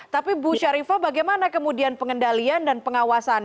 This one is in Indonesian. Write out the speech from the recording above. tapi bu syarifah bagaimana kemudian pengendalian dan pengawasan